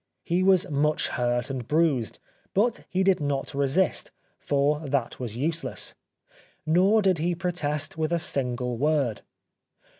He was much hurt and bruised, but he did not resist, for that was useless ; nor did he protest with a single word.